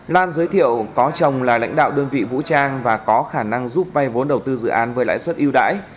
lan giới thiệu có chồng là lãnh đạo đơn vị vũ trang và có khả năng giúp vay vốn đầu tư dự án với lãi suất yêu đãi